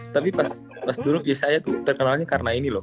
tapi pas dulu yesaya tuh terkenalnya karena ini loh